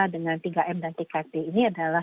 dengan tiga m dan tiga t ini adalah